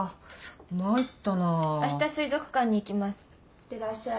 いってらっしゃい。